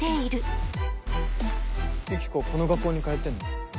この学校に通ってるの？